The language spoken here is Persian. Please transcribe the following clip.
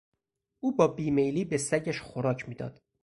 او با بیمیلی به سگش خوراک میداد.